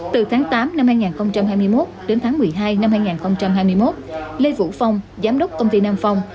từ tháng tám năm hai nghìn hai mươi một đến tháng một mươi hai năm hai nghìn hai mươi một lê vũ phong giám đốc công ty nam phong